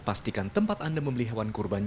pastikan tempat anda membeli hewan kurban